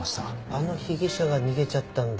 あの被疑者が逃げちゃったんだ。